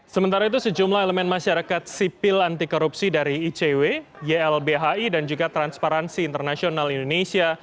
sementara itu sejumlah elemen masyarakat sipil anti korupsi dari icw ylbhi dan juga transparansi internasional indonesia